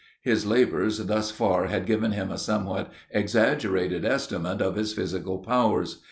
His labors thus far had given him a somewhat exaggerated estimate of his physical powers.